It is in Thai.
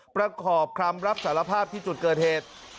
ประกอบคำรับสารภาพที่จุดเกิดเหตุ